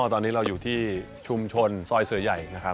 ตอนนี้เราอยู่ที่ชุมชนซอยเสือใหญ่นะครับ